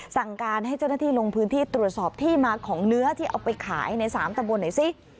สั่งการให้เจ้าหน้าที่ลงพื้นที่ตรวจสอบที่มาของเนื้อที่เอาไปขายใน๓ตะบนหน่อยสิ